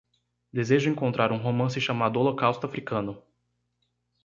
Desejo encontrar um romance chamado Holocausto Africano